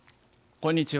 こんにちは。